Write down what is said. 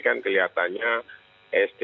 kan kayak gantinya nanti hanya pesan di di situs